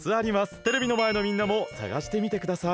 テレビのまえのみんなもさがしてみてください。